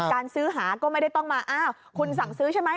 การซื้อหาก็ไม่ได้ต้องมาอ้าวคุณสั่งซื้อใช่ไหม